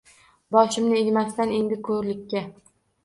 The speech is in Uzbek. Boshimni egmasman endi ko‘rlikka.